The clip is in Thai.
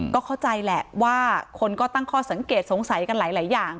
ก็เข้าใจแหละว่าคนก็ตั้งข้อสังเกตสงสัยกันหลายอย่าง